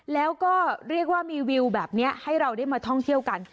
แล้วก็เรียกว่ามีวิวแบบนี้ให้เราได้มาท่องเที่ยวกัน